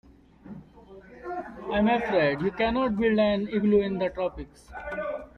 I'm afraid you can't build an igloo in the tropics.